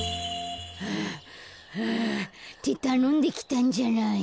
はあはあってたのんできたんじゃない。